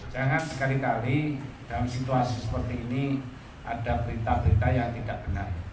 jangan sekali kali dalam situasi seperti ini ada berita berita yang tidak benar